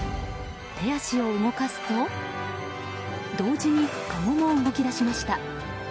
手足を動かすと同時に、かごも動き出しました。